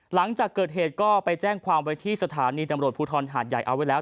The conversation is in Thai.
หลังจากเกิดเหตุก็ไปแจ้งความไว้ที่สถานีตำรวจภูทรหาดใหญ่เอาไว้แล้ว